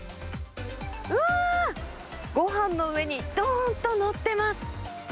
うわー、ごはんの上にどーんと載ってます。